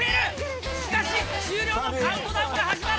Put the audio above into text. しかし終了のカウントダウンが始まる！